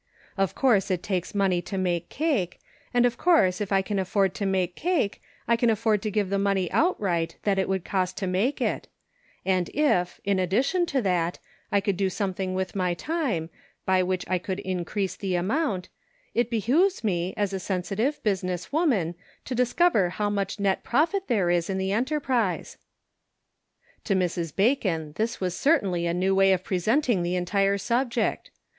Of course it takes money to make cake, and of course if I can afford to make cake, I can afford to give the money outright that it would cost to make it; and if, in addition to that, I could do something with Cake Mathematically Considered. 73 my time, by .which I could increase the amount, it behooves me, as a sensible, business woman, to discover how much net profit there is in the enterprise." To Mrs. Bacon this was certainly a new way of presenting the entire subject.